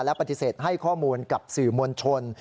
และปฏิเสธให้ข้อมูลกับสื่อมวลชน